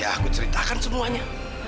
ya aku ceritakan semuanya